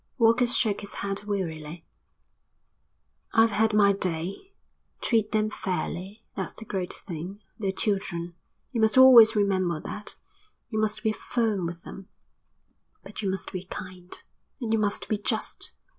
Walker shook his head wearily. "I've had my day. Treat them fairly, that's the great thing. They're children. You must always remember that. You must be firm with them, but you must be kind. And you must be just.